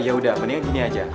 ya udah mendingan gini aja